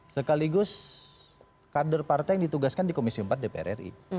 sekaligus kader partai yang ditugaskan di komisi empat dpr ri